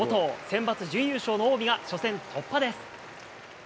センバツ準優勝の近江が初戦突破です。